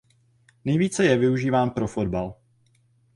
Nejvíce je využíván pro fotbal.